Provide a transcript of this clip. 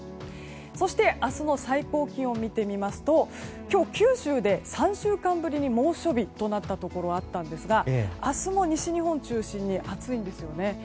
そして明日の最高気温を見てみますと今日、九州で３週間ぶりの猛暑日となったところがあったんですが明日も西日本中心に暑いんですよね。